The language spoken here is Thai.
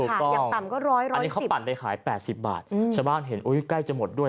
ถูกต้องอันนี้เขาปั่นได้ขาย๘๐บาทชาวบ้านเห็นอุ๊ยใกล้จะหมดด้วย